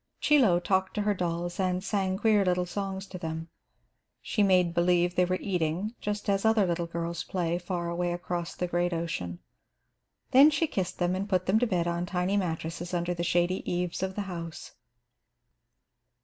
Chie Lo talked to her dolls and sang queer little songs to them. She "made believe" they were eating, just as other little girls play, far away across the great ocean. Then she kissed them and put them to bed on tiny mattresses under the shady eaves of the house.